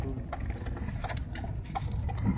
সে পুরোপুরি স্কাঙ্ক।